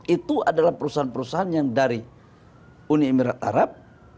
itu adalah perusahaan perusahaan yang dari uni emirat arab